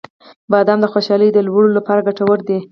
• بادام د خوشحالۍ د لوړولو لپاره ګټور دی.